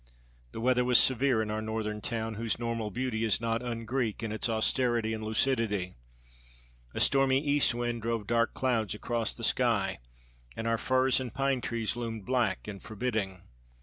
The weather was severe in our northern town whose normal beauty is not un Greek in its austerity and lucidity. A stormy east wind drove dark clouds across the sky, and our firs and pine trees loomed black and forbidding.